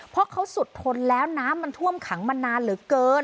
เพราะเขาสุดทนแล้วน้ำมันท่วมขังมานานเหลือเกิน